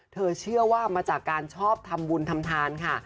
เชื่อว่ามาจากการชอบทำบุญทำทานค่ะ